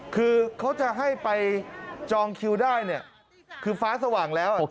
คือเขาจะให้ไปจองคิวได้เนี่ยคือฟ้าสว่างแล้ว